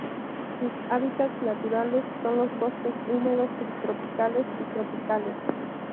Sus hábitats naturales son los bosques húmedos subtropicales y tropicales.